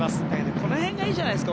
この辺がいいじゃないですか。